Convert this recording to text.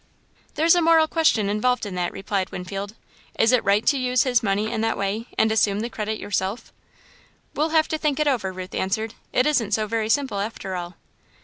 "There's a moral question involved in that," replied Winfield. "Is it right to use his money in that way and assume the credit yourself?" "We'll have to think it over," Ruth answered. "It isn't so very simple after all."